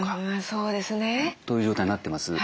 そうですね。という状態になってます。